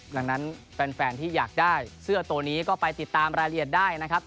ดังนั้นแฟนที่อยากได้เสื้อตัวนี้ก็ไปติดตามรายละเอียดได้นะครับ